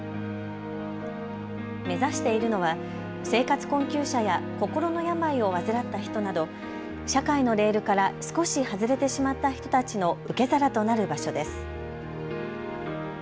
目指しているのは生活困窮者や心の病を患った人など社会のレールから少し外れてしまった人たちの受け皿となる場所です。